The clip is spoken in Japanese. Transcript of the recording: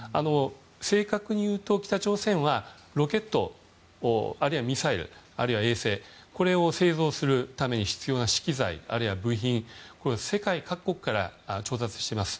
正確に言うと北朝鮮はロケットあるいはミサイルあるいは衛星を製造するために必要な資機材あるいは部品を世界各国から調達しています。